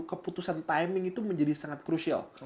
keputusan timing itu menjadi sangat crucial